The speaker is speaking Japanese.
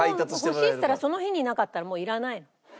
欲しいって言ったらその日になかったらもういらないの。